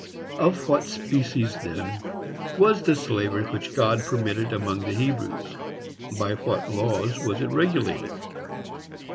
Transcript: Of what species, then, was the slavery which God permitted among the Hebrews? By what laws was it regulated?